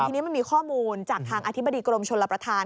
ทีนี้มันมีข้อมูลจากทางอธิบดีกรมชลประธาน